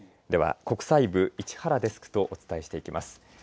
では国際部、市原デスクとお伝えしていきます。